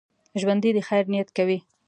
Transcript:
ژوندي د خیر نیت کوي